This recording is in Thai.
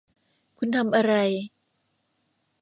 คุณทำอะไร